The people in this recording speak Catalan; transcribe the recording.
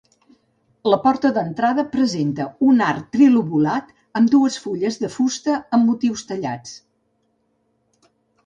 La porta d'entrada presenta un arc trilobulat amb dues fulles de fusta, amb motius tallats.